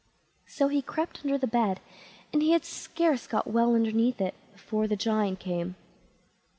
So he crept under the bed, and he had scarce got well underneath it, before the Giant came.